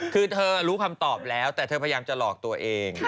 คือเธอรู้คำตอบแล้วแต่เธอพยายามจะหลอกตัวเอง